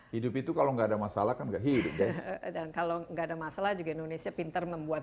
hidup itu kalau enggak ada masalah kan nggak hidup dan kalau nggak ada masalah juga indonesia pintar membuat